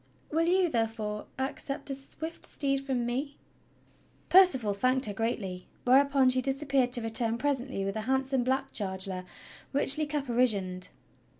"Will you, therefore, accept a swift steed from me.?" Percival thanked her gratefully, whereupon she disappeared to return presently with a handsome black charger richly caparisoned.